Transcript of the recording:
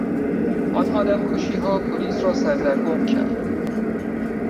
آن آدمکشیها پلیس را سردرگم کرد.